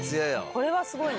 これはすごいな。